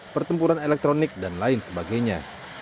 pertempuran elektronik dan lain sebagainya